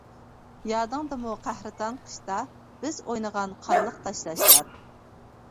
يادىڭدىمۇ قەھرىتان قىشتا، بىز ئوينىغان قارلىق تاشلاشلار.